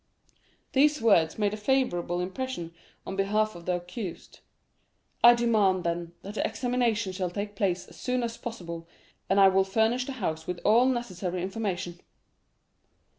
These words made a favorable impression on behalf of the accused. "I demand, then, that the examination shall take place as soon as possible, and I will furnish the house with all necessary information."